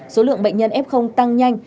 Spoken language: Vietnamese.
số lượng bệnh nhân f tăng nhanh